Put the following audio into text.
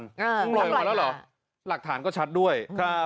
ต้องลอยมาแล้วเหรอหลักฐานก็ชัดด้วย